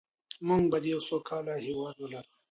موږ به یو سوکاله هېواد ولرو.